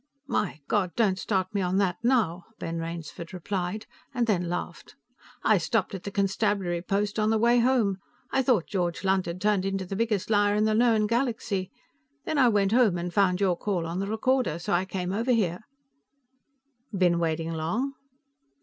"My God, don't start me on that now!" Ben Rainsford replied, and then laughed. "I stopped at the constabulary post on the way home. I thought George Lunt had turned into the biggest liar in the known galaxy. Then I went home, and found your call on the recorder, so I came over here." "Been waiting long?"